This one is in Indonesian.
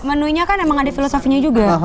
menunya kan emang ada filosofinya juga